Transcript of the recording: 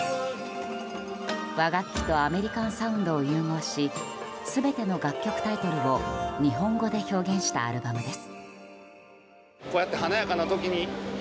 和楽器とアメリカンサウンドを融合し全ての楽曲タイトルを日本語で表現したアルバムです。